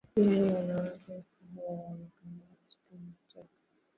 yaani wanawake huwa wanakamatika kama mateka